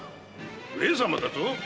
上様だと？